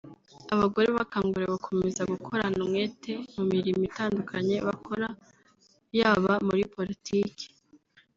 Abagore bakanguriwe gukomeza gukorana umwete mu mirimo itandukanye bakora yaba muri politike